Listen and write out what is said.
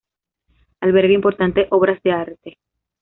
Alberga importantes obras de arte.